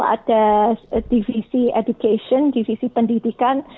ada divisi education divisi pendidikan